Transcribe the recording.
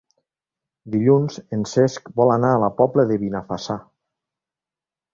Dilluns en Cesc vol anar a la Pobla de Benifassà.